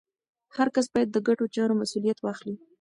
هر کس باید د ګډو چارو مسوولیت واخلي.